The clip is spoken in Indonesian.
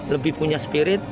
lebih punya spirit